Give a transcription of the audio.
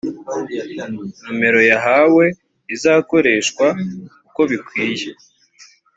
nomero yahawe izakoreshwa uko bikwiye